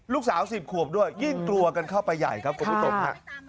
ลูกสาว๑๐ขวบด้วยยิ่งกลัวกันเข้าไปใหญ่ครับคุณผู้ชมฮะ